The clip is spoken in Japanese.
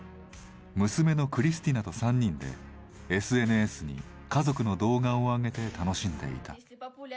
娘のクリスティナと３人でＳＮＳに家族の動画を上げて楽しんでいた。